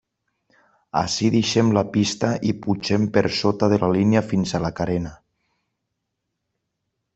Ací deixem la pista i pugem per sota de la línia fins a la carena.